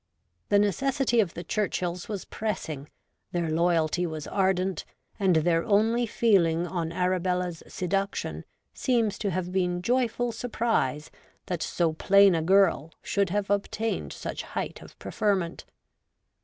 The necessity of the Churchills was pressing, their loj^alty was ardent, and their only feeling on Arabella's seduction seems to have been joyful surprise that so plain a girl should have obtained such height of preferment.'